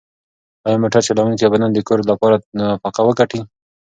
ایا موټر چلونکی به نن د کور لپاره نفقه وګټي؟